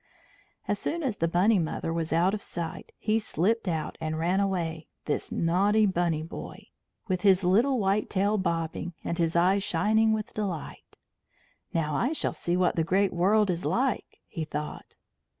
As soon as the Bunny Mother was out of sight, he slipped out and ran away, this naughty Bunny Boy, with his little white tail bobbing, and his eyes shining with delight. "Now, I shall see what the great world is like," he thought.